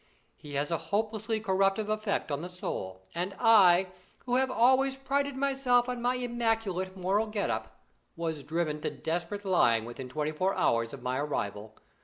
He has a hopelessly corruptive effect on the soul, and I, who have always prided myself on my immaculate moral get up, was driven to desperate lying within twenty four hours of my arrival.